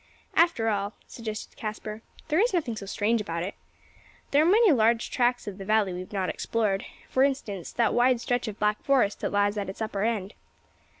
"After all," suggested Caspar, "there is nothing so strange about it. There are many large tracts of the valley we have not explored; for instance, that wide stretch of black forest that lies at its upper end.